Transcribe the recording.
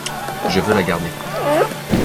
Je veux la garder.